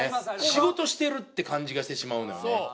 仕事してるって感じがしてしまうのよね